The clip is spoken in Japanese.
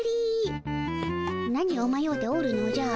何をまようておるのじゃ。